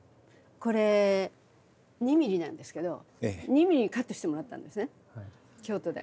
これ２ミリなんですけど２ミリにカットしてもらったんですね京都で。